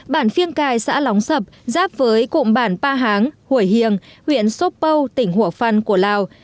bản phiêng cài xã lóng sập giáp với cụm bản ba háng hủy hiền huyện sốpâu tỉnh hủa phăn của lào